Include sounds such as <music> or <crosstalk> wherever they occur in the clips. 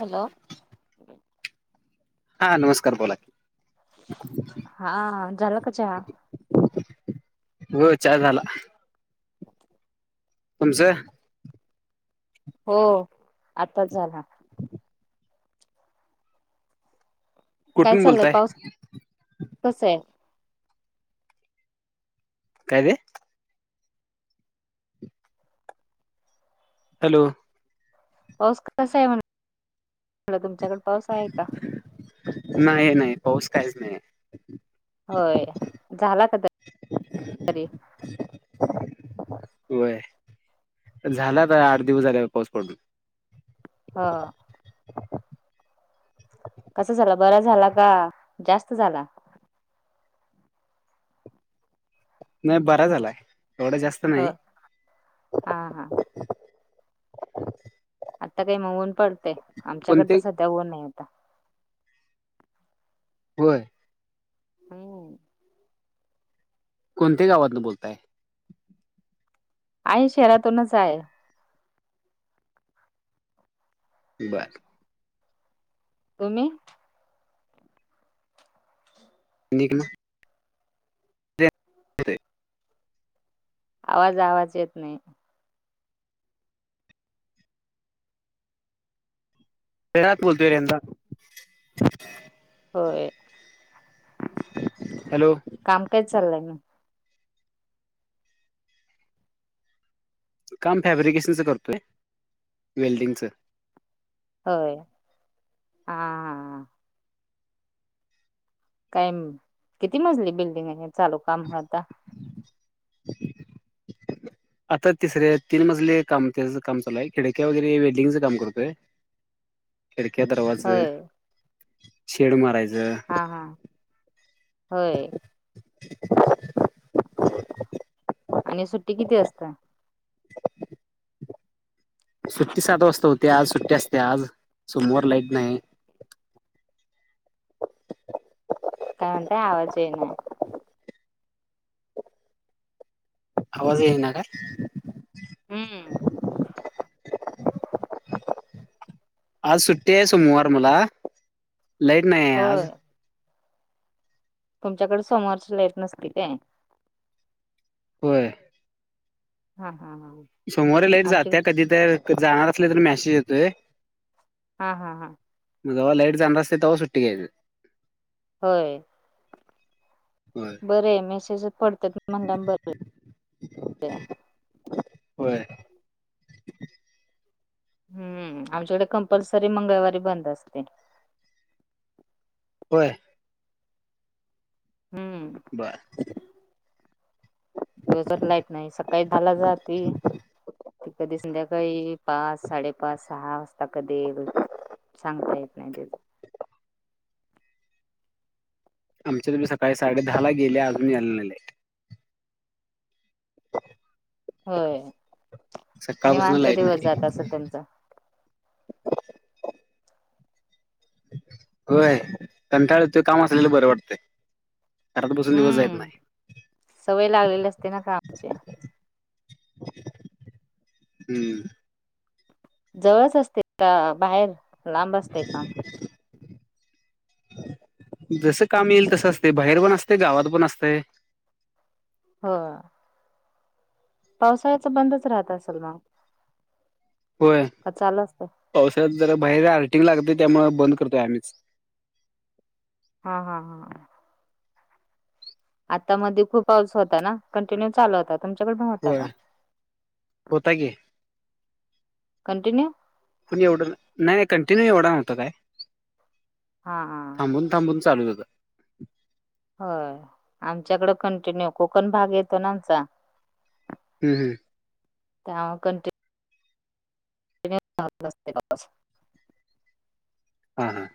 Hello. हा नमस्कार बोला. हा झालं का जेवण. हो चहा झाला. ओके. तुमचे. हो आताच झाला. काय कुठून चाललंय बोलताय पाऊस कस आहे. काये ते. हॅलो पाऊस कसा आहे म्हण तुमच्याकड पाऊस आहे का नाही नाही पाऊस काहीच नाही होय झाला का तर तरी अ <unintelligible> होय झाला तर आठ दिवस झालेवर पाऊस पडून ह कस झाला बरा झाला का जास्त झाला नाही बरा झालाय एवढं जास्त हो नाही हा हा आता काही मग ऊन पडतेय कोणते आमच्याकडता सध्या ऊन नाही होता होय हम् कोणत्या गावातन बोलताय आहेई शहरातूनच आहे बार तुम्ही नक ना हो आवाज आवाज येत नाही तेरात बोलतोय रेंदा हो हॅलो काम काही चाललंय म काम फॅब्रिकेशनचं करतोय वेल्डिंगचं होय हा काय किती मजली बिल्डिंग आहे चालू काम आता <inaudible> आता तिसरे तीन मजले काम त्याचं काम चालू आहे खिडक्या वगैरे वेल्डिंगचं काम करतोय <inaudible> खिडक्या दरवाज होय शेड मारायचं. हा हा होय आणि सुट्टी किती असत सुट्टी सात वाजता होते आज सुट्टी अस ते आज समोर लाईट नाही काते आवाज येन आवाज ये ना का हम्म आज सुट्टी आहे सोमवार मला लाईट नाही आहे आज होय. तुमच्याकडे सोमवारच लाईट नसती काय होय हा हा हा सोमवार लेट जाते आमच्याकडे कधी तर जाणार असले तर मॅसेज येतोय हा हा हा जवा लाईट जाणं असते तेव्हा सुट्टी ट्ट घ्यायची होय होय बरं आहे मेसेज पडतात ना म्हणला बर होय हम्म आमच्याकडे कंपल्सरी मंगळवारी बंद असते होय हम्म बर दिवसभर लाईट नाही सकाळी दहाला जाती. ती कधी संध्याकाळी पाच साडेपाच सहा वाजता कधी येईल. सांगता येत नाही ते. आमच्या तुम्ही सकाळी साडे दहा ला गेले आजही आलेले. <inaudible> होय सकाळपासून निवांत लाईट दिवस नाही जात असं त्यांचा. होय कंटाळ ते काम असलेला बरं वाटतंय. घरात बसून दिवस जायत हम्म नाही सवय लागलेली असते ना कामा ची. हम्म जवळच असते का बाहेर? लांब असते काम <inaudible> जस काम येईल तसं असते बाहेर पण असते गावात पण असतें. हो पावसाळ्याच बंदच राहत असेल मग. होय का चाल असत पावसाळ जर बाहेर आर्टिंग लागते त्यामुळे बंद करतोय आम्हीच हा हा हा आता मध्ये खूप पाऊस होता ना कंटिन्यू चालू होताात तुमच्याकडे पन होता होय का होता की कंटिन्यू पण एवढं नाही नाही कंटिन्यू एवढं नव्हता काय. हा हा थांब थांबून चाल जात. हो आमच्याकडें कंटिन्यू कोकण भाग येतो ना आमचा. हम् हम त्या कंटिन्यू. कंटिन्यू जात असते वापस. हा हां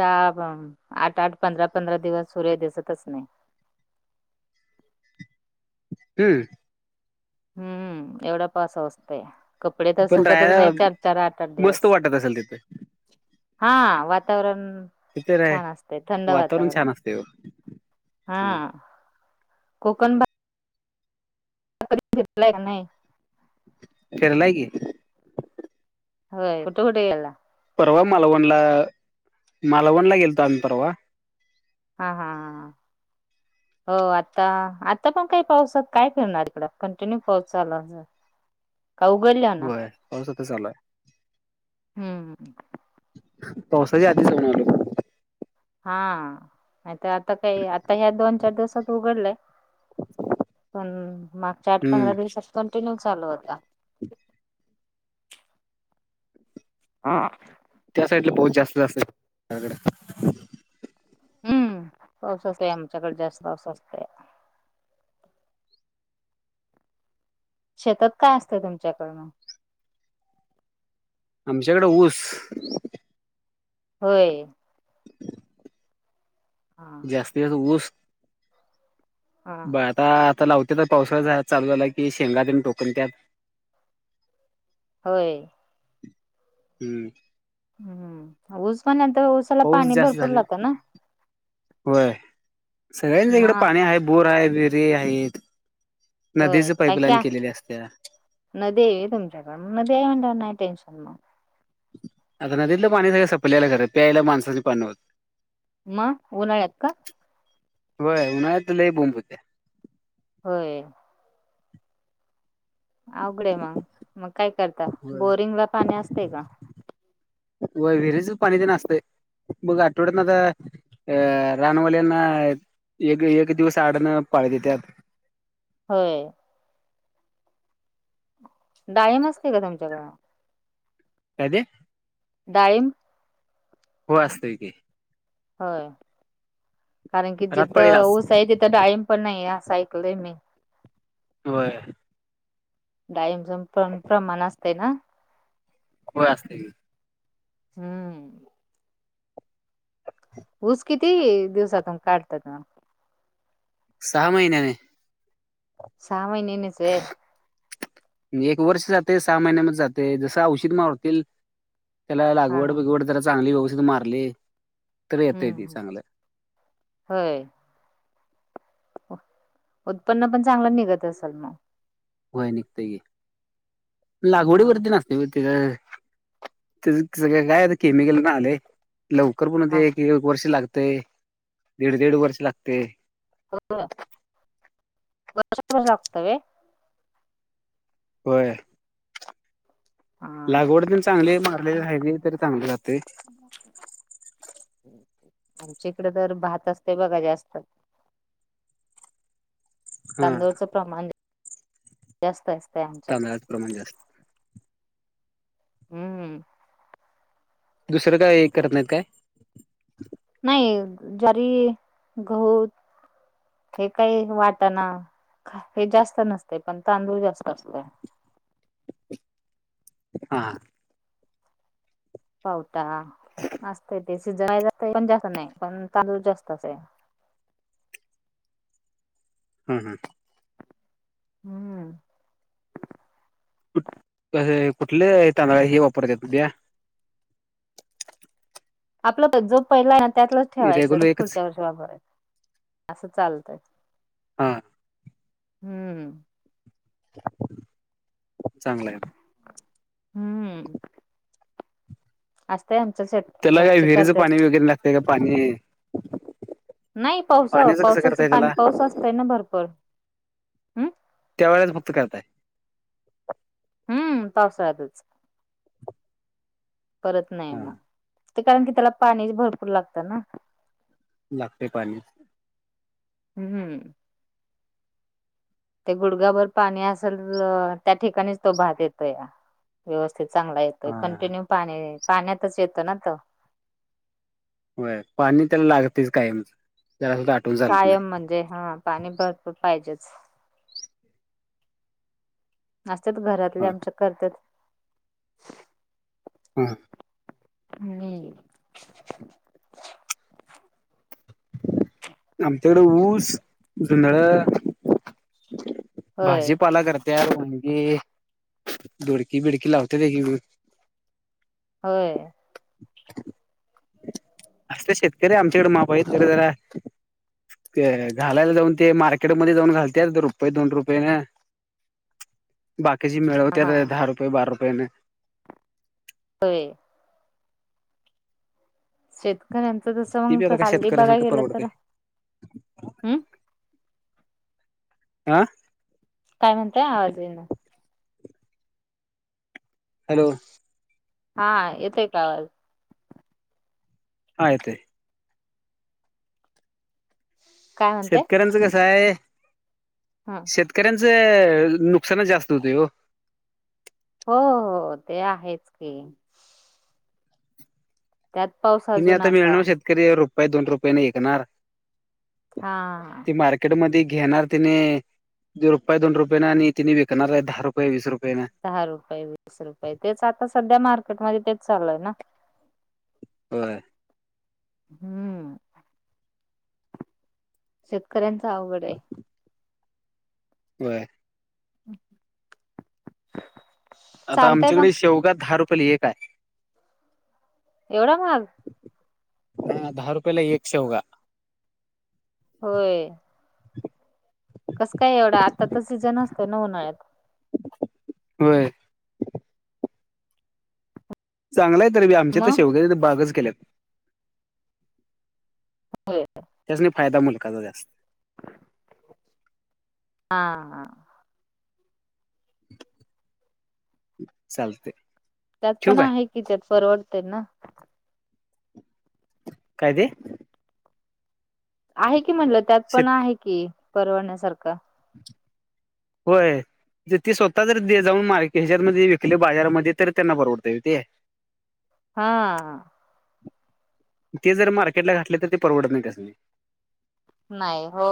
आठ आठ पंधरा पंधरा दिवस सूर्य दिसतच नाही. हम्म हम्म एवढा पाऊस असते. कपडे तर पण सुकतच नाही राहायला चार चार आठ आठ मस्त दिवस. वाटत असेल तिथं हा वातावरण. तिथे राय छान असते थंड वातावरण छान असते हा. कोकण भा. कधी बघितलं का नाही? भेराय की. हो कुठे कुठे गेला. परवा मालवणला मालवणला गेलतो आम्ही परवा. हा हा हा हा हो आता आता पण काही पाऊसात काय फिरणार इकडे कंटिन्यू पाऊस चालू. <inaudible> कौगल्य. होय पास त चालाय. हम्म. तसही आधीचल. हा नाही तर आता काही आता ह्या दोन. चार दिवसात उघडलय पण मागच्या आठ हम्म पंधरा दिवसात. कंटिन्यू चालू होता. हा त्या साईड ला बोत जास्त असत त्याडे. हम्म पावसा अस आमच्याकडे जास्त पावसा असतय शेतात काय असतं तुमच्याकडून आमच्याकडें ऊस होय हा जास्तीस ऊस हा ब आता आता लावते तर पावसाळ चालू झाला की शेंगाद आणि टोकण त्यात होय हम्म हम्म ऊस म्हल्यांतर ऊसाला पाऊस पाणी जास्त भरपूर झाले लागतं ना होय सगळ्यांच इकड मग पाणी आहे बोर आहे विहिरी आहेत होय नदीचे काय पाईपलाईन क्या केलेली असते नदी आहे होय तुमच्याकडे नदी म्हटल्यावर काय टेन्शन आता नदीतलं पाणी सप्ल्यायला खरं प्यायला माणसाचे पाणी होतं म उन्हाळ्यात का? होय उन्हाळ्यात लई बोम होती. होय आवडे मग मग. काय करता होय. बोरिंग ला पाणी असते का? व विहिरीच पाणी ते नासत बघ आठवड्यात ना तर अ रानवल्यांना एक एक दिवस आडणं पाळी होय डाळिंब असतं का तुमच्याकडे कायते डाळिंब हो असतंय काी होय कारण की जिथं रातपाळीलाच ऊस आहे तिथं डाळीम पण नाही असं ऐकले मी होय डाळिंब प्रमाण असते ना हो असते की हम् <inaudible> ऊस किती दिवसातून काढतात म सहा महिन्याने सहा महिन्याने ते एक वर्ष जाते सहा महिन्यामध्ये जाते जसं औषध मवतील त्याला हा लागवड हा बिगवड त्याला चांगली व्यवस्थित मारली तर येतय हम्म ती हम्म. चांगलं होय उत्पन्न पण चांगलं निघत असेल मग होय निघते की लागवडी हा. वरती नसते ते आता काय सगळं केमिकल पण आले लवकर पण ते एक एक वर्ष लागतेय दीड दीड वर्ष लागते हो वर्ष पण लागते होय हा. लागवड चांगली मारले राहिज तरी चांगले जाते आमच्या इकडे तर भात असते बघा जास्त हा तांदूळचं प्रमाण जास्त असतंय आमच्याकडे तांदळाचं प्रमाण जास्त हम्म दुसरं काय करत नाहीत काय नाही ज्वारी गहू हे काही वाटाना हे जास्त नसते पण तांदूळ जास्त असत हा पावटा असतय ते सीजन पण जास्त नाही पण तांदूळ जास्त अस आहे हम हं हम्म कु कुठले येत हे वापरतेत द्या आपलं जो पहिला आहे ना त्यातलंच ठेवायचं तर रेग्युलर एकच पुढच्या वर्षी वापरायचं असं चालतय हा. हम्म चांगलं आहे हम्म असतंय आमचं शेत त्याला काय विहिरीचं पाणी वगैरे लागतय का पाणी. नाही पावसा पाण्याचं कसं पावसाचं करताय पाणी त्याला पाऊस असतंय ना भरपूर हम् त्या वेळेस फक्त करताय हम्म पावसाळ्यातच परत नाही हा मग ते कारण की त्याला पाणी भरपूर लागतं ना लागतेय पाणी हम् हम ते गुडगाभर पाणी असेल त्या ठिकाणीच तो भात येतो या व्यवस्थित चांगला येतोय हा कंटिन्यू पाणी पाण्यातच येतो ना त हो पाणी त्याला लागतेच काय म्ह त्याला आठवण चालत नाही कायम म्हणजे हा पाणी भरपूर पाहिजेच असतात हा घरातल्या आमच्या करतात होळ हम् आमच्याकडे ऊस धुधळ होय भाजीपाला करतात त्या म्हणगे धोडकी बिडकी लावते दे की होय <inaudible> असले शेतकरी आमच्याकडे मापा येत जरा ते घालायला जाऊन ते मार्केटमध्येध्ये जाऊन घालते रुपये दोन रुपये ना <inaudible> बाकीची हा मिळवते दहा रुपये बारा रुपयेने हो शेतकऱ्यांचं जस ती बी मंग आता काय हलदी बघायला शेतकऱ्यासनी काय गेलं तर परवडतंय हम् आं काय म्हणतय आवाजेन हॅलो! हा येतेय कावाज आयय काय म्हणताय शेतकऱ्यांचं कसं आहे. हा. शेतकऱ्यांचं नुकसानच जास्त होते हो. हो हो ते आहेच की. त्यात पाऊस हि नाही अजून आता असा मिळणार शेतकरी रुपय दोन रुपये नाही ऐकणार. हा. ती मार्केट म घेणार तिने दी रुपय दोन रुपयाे आणि तिने विकणार आहे दहा रुपय वीस रुपयाें. दहा रुपये वीस रुपये तेच आता सध्या मार्केटमध्येध्ये तेच चालूय ना. हो. हम्म शेतकऱ्यांच अवघड आहे. होय. <inaudible> आता चालतय मग आमच्याकडे शेवगात दहा रुपयला एक आहे. एवढा महाग. ह दहा रुपयला एक शेवगा. होय. कसं काय एवढं आता तर सीझन असतं ना उन्हाळ्यात होय. चांगलाय तरी आमच्या तर मग शेवगाच्या बागच केल्यात. <inaudible> त्याच्या फायदा मुलकाचा जास्त हा हा. चालते. त्यात पण आहे की त्यात परवडते ना. काय तेे. आहे की म्हणलं त्यात शेत पण आहे की परवडण्यासारखं. होय. ज ते स्वतः जर दे जाऊन मार्के हच्यामध्ये विकली बाजारामध्ये तर त्यांना परवडते ते. हा. ते जर मार्केटला घातले तर ते परवडत नाही कसं नाही. नाही हो.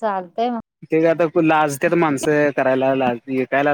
चालतय मग. ते का आता लाजते माणसं करायला लाजते काय ला.